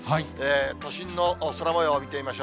都心の空もようを見てみましょう。